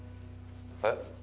えっ？